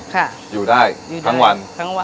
อยู่ได้อยู่ได้ทั้งวันทั้งวัน